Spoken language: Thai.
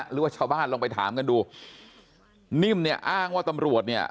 หรือว่าชาวบ้านลองไปถามกันดูนิ่มเนี่ยอ้างว่าตำรวจเนี่ย